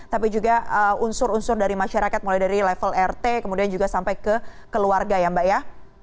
tapi juga unsur unsur dari masyarakat mulai dari level rt kemudian juga sampai ke keluarga ya mbak ya